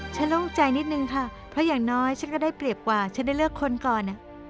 โล่งใจนิดนึงค่ะเพราะอย่างน้อยฉันก็ได้เปรียบกว่าฉันได้เลือกคนก่อน